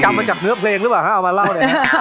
มาจากเนื้อเพลงหรือเปล่าฮะเอามาเล่าเนี่ย